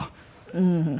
うん。